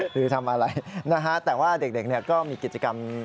คือทำอะไรนะฮะแต่ว่าเด็กเนี่ยก็มีกิจกรรม